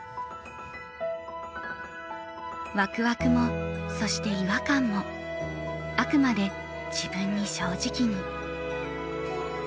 ワクワクもそして違和感もあくまで自分に正直に。